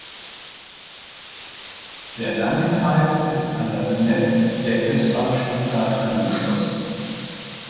Der Landkreis ist an das Netz der S-Bahn Stuttgart angeschlossen.